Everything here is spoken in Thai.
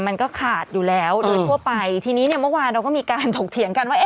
มันก็ขาดอยู่แล้วโดยทั่วไปทีนี้เนี่ยเมื่อวานเราก็มีการถกเถียงกันว่า